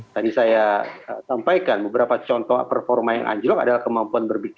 tadi saya sampaikan beberapa contoh performa yang anjlok adalah kemampuan berpikir